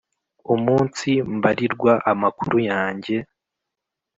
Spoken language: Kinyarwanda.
umunsi mbarirwa amakuru yange